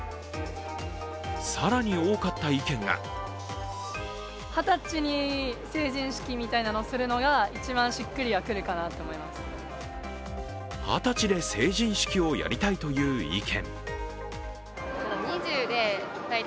更に多かった意見が二十歳で成人式をやりたいという意見。